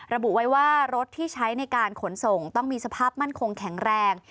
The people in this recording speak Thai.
ระบุไว้ว่ารถที่ใช้ในการขนส่งต้องมีสภาพมั่นคงแข็งแรง